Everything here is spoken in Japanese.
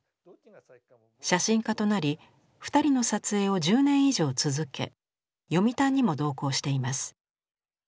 写真家となり二人の撮影を１０年以上続け読谷にも同行しています。